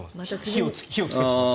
火をつけてしまった。